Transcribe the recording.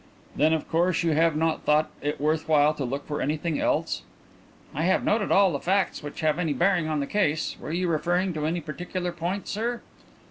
"Then, of course, you have not thought it worth while to look for anything else?" "I have noted all the facts that have any bearing on the case. Were you referring to any particular point, sir?"